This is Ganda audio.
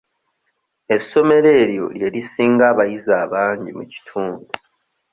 Essomero eryo lye lisinga abayizi abangi mu kitundu.